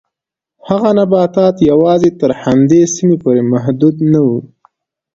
هغه نباتات یوازې تر همدې سیمې پورې محدود نه و.